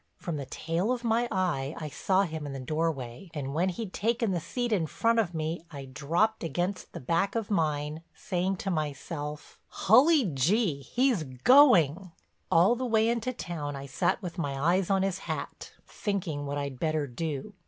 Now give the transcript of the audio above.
From the tail of my eye I saw him in the doorway and when he'd taken the seat in front of me, I dropped against the back of mine, saying to myself: "Hully Gee, he's going!" All the way into town, I sat with my eyes on his hat, thinking what I'd better do.